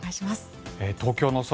東京の空